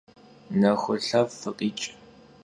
Nexulhef' fıkhiç'!